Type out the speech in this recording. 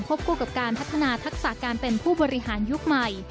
คู่กับการพัฒนาทักษะการเป็นผู้บริหารยุคใหม่